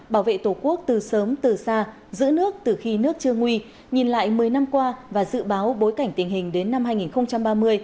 bảo vệ tổ quốc từ sớm từ xa giữ nước từ khi nước chưa nguy nhìn lại một mươi năm qua và dự báo bối cảnh tình hình đến năm hai nghìn ba mươi